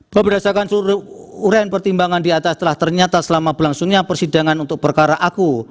berdasarkan seluruh uraian pertimbangan di atas telah ternyata selama berlangsungnya persidangan untuk perkara aku